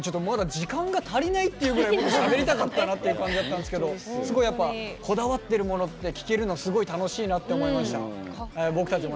まだ時間が足りないっていうくらいしゃべりたかったなという感じだったんですけどすごい、こだわってるものって聞けるの、楽しいなと思いました。